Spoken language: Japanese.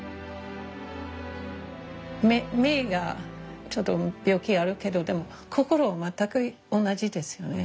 目がちょっと病気あるけどでも心は全く同じですよね。